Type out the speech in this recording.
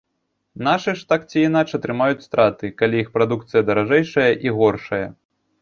Нашы ж, так ці інакш, атрымаюць страты, калі іх прадукцыя даражэйшая і горшая?